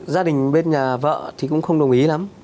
gia đình bên nhà vợ thì cũng không đồng ý lắm